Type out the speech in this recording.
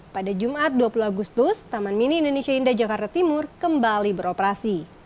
pada jumat dua puluh agustus taman mini indonesia indah jakarta timur kembali beroperasi